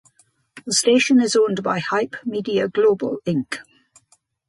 The station is owned by Hype Media Global Inc.